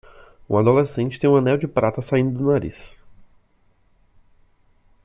Um adolescente tem um anel de prata saindo do nariz.